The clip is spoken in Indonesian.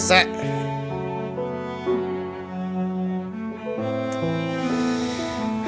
sampai jumpa lagi